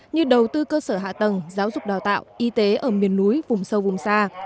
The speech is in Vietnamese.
như đầu tư cơ sở hạ tầng giáo dục đào tạo y tế ở miền núi vùng sâu vùng xa